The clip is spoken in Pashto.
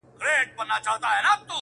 پر ټگانو چى يې جوړ طلا باران كړ-